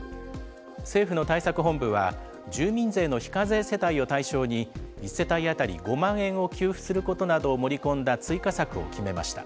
政府の対策本部は、住民税の非課税世帯を対象に、１世帯当たり５万円を給付することなどを盛り込んだ追加策を決めました。